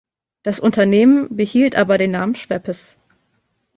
Das Unternehmen behielt aber den Namen "Schweppes".